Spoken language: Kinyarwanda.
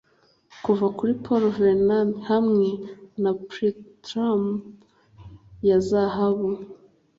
Kuva kuri Paul Verlaine hamwe na plectrum ya zahabu